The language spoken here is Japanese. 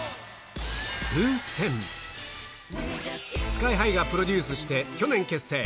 スカイハイがプロデュースして去年結成。